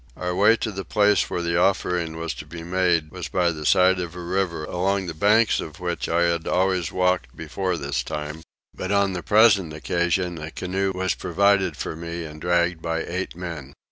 Our way to the place where the offering was to be made was by the side of a river along the banks of which I had always walked before this time; but on the present occasion a canoe was provided for me and dragged by eight men.